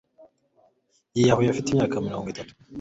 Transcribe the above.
Yiyahuye afite imyaka mirongo itatu.